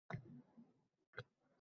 Mening hali qiladigan ishlarim ko‘p”